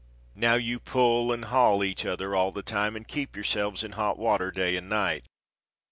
Now you pull and haul each other all the time and keep yourselves in hot water day and night.